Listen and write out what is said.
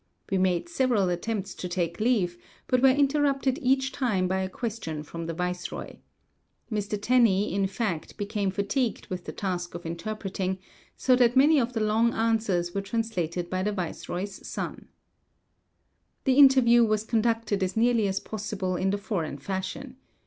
We made several attempts to take leave, but were interrupted each time by a question from the viceroy. Mr. Tenney, in fact, became fatigued with the task of interpreting, so that many of the long answers were translated by the viceroy's son. A CHINESE BRIDE. The interview was conducted as nearly as possible in the foreign fashion.